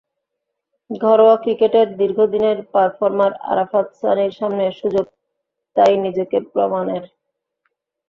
ঘরোয়া ক্রিকেটের দীর্ঘদিনের পারফর্মার আরাফাত সানির সামনে সুযোগ তাই নিজেকে প্রমাণের।